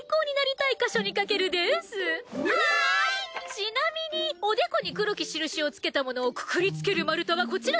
ちなみにおでこに黒き印をつけたものをくくりつける丸太はこちらになります。